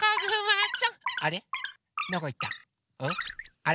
あれ？